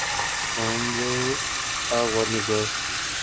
Cuando la Warner Bros.